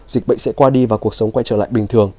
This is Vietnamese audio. dịch bệnh sẽ qua đi và cuộc sống quay trở lại bình thường